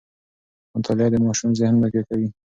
مطالعه د ماشوم ذهن تقویه کوي.